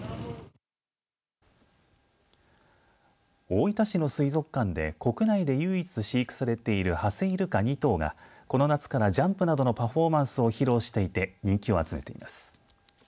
大分市の水族館で国内で唯一、飼育されているハセイルカ２頭がこの夏からジャンプなどのパフォーマンスを披露していて人気を集めています。